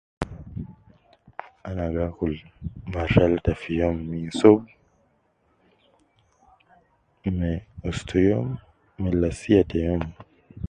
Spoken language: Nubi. Ana gi akul mara talata fi youm, minsub, me ustu youm me lasiya te youm